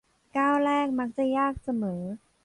ก้าวแรกมักจะยากเสมอ